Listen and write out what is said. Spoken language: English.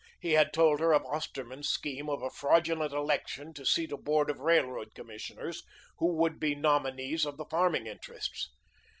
He had told her of Osterman's scheme of a fraudulent election to seat a Board of Railroad Commissioners, who should be nominees of the farming interests.